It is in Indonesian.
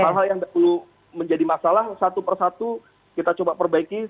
hal hal yang dulu menjadi masalah satu per satu kita coba perbaiki